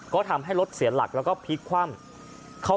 ก็ทำให้รถเสียหลักแล้วก็พลิกคว่ำ